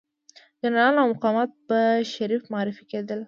جنرالان او مقامات به شریف معرفي کېدل.